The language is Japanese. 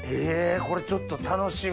これちょっと楽しみ。